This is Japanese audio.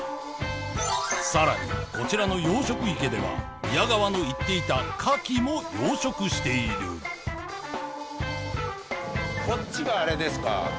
さらにこちらの養殖池では宮川の言っていたカキも養殖しているこっちがあれですか？